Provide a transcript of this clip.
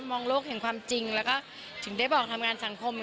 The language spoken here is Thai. มองโลกแห่งความจริงแล้วก็ถึงได้บอกทำงานสังคม